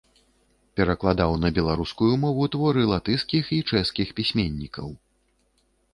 Перакладаў на беларускую мову творы латышскіх і чэшскіх пісьменнікаў.